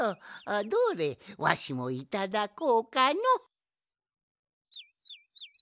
どれわしもいただこうかの。